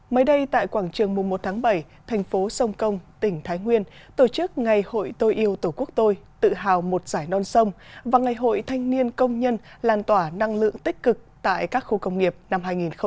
mới đây tại quảng trường mùa một tháng bảy thành phố sông công tỉnh thái nguyên tổ chức ngày hội tôi yêu tổ quốc tôi tự hào một giải non sông và ngày hội thanh niên công nhân lan tỏa năng lượng tích cực tại các khu công nghiệp năm hai nghìn hai mươi